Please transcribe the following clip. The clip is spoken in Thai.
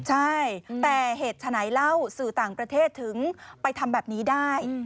ใช่แต่เหตุฉะไหนเล่าสื่อต่างประเทศถึงไปทำแบบนี้ได้